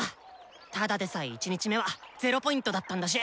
ただでさえ１日目は０Ｐだったんだし！